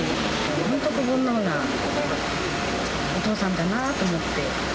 本当、子ぼんのうなお父さんだなと思って。